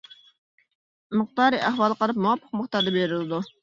مىقدارى ئەھۋالغا قاراپ مۇۋاپىق مىقداردا بېرىلىدۇ.